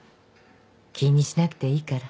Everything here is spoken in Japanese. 気にしなくていいから。